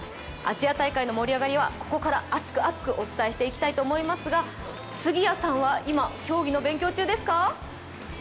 アジア大会の盛り上がりはここから熱く厚くお伝えしていきたいと思いますが杉谷さんは今、競技の勉強中ですか？